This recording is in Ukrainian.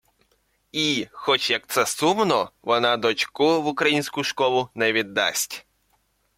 І, хоч як це сумно, вона дочку в українську школу не віддасть